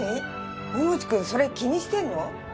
桃地くんそれ気にしてんの？